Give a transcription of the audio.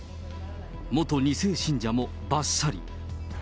元２世信者もばっさり。